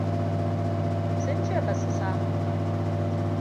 Sun ce ba su samu ba.